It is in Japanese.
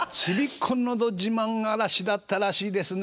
このど自慢荒らしだったらしいですね。